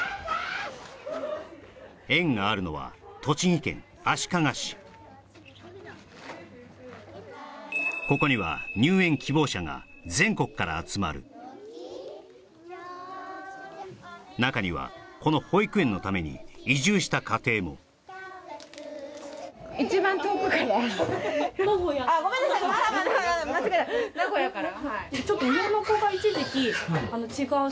園があるのはここには入園希望者が全国から集まる中にはこの保育園のために移住した家庭も・ごめんなさい間違えた名古屋から？